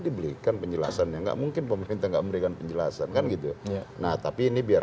dibelikan penjelasannya enggak mungkin pemerintah memberikan penjelasan kan gitu ya nah tapi ini biar